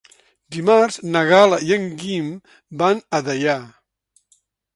Dimarts na Gal·la i en Guim van a Deià.